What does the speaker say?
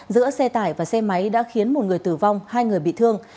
giữa xe tải và xe máy đã khiến một người tử vong hai người bị thương